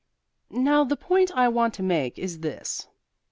Now the point I want to make is this.